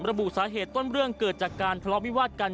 ระบุสาเหตุต้นเรื่องเกิดจากการทะเลาะวิวาดกัน